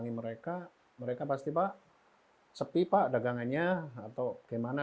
jit terpilih menjalankan tugas sebagai manajer unit usaha